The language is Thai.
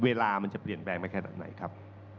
เวลามันจะเปลี่ยนแปลงไปขนาดไหนครับ